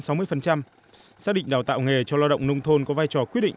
xác định đào tạo nghề cho lao động nông thôn có vai trò quyết định